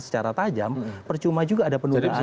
secara tajam percuma juga ada penugasan